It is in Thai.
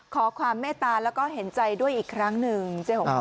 ขอความเมตตาแล้วก็เห็นใจด้วยอีกครั้งหนึ่งเจ๊หง